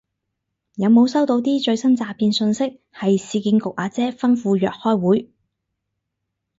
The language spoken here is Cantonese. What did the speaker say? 有冇收到啲最新詐騙訊息係市建局阿姐吩咐約開會